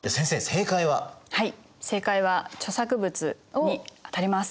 正解は著作物に当たります。